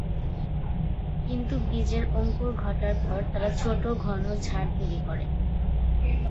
কিন্তু বীজের অঙ্কুর ঘটার পর তারা ছোট, ঘন ঝাড় তৈরী করে।